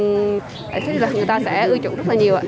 người ta sẽ ưu chủ rất là nhiều